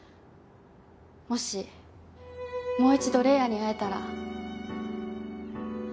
もしもう一度玲矢に会えたら。